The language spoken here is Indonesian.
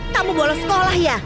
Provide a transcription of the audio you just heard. kamu bolos sekolah ya